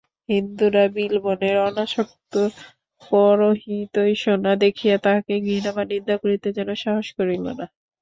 হিন্দুরা বিলবনের অনাসক্ত পরহিতৈষণা দেখিয়া তাঁহাকে ঘৃণা বা নিন্দা করিতে যেন সাহস করিল না।